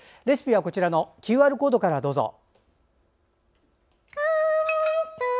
レシピはＱＲコードからどうぞ。